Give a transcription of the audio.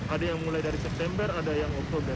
ada yang mulai dari september ada yang oktober